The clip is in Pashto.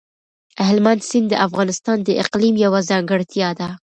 هلمند سیند د افغانستان د اقلیم یوه ځانګړتیا ده.